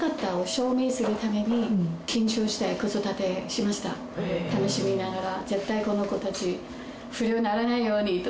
しました楽しみながら。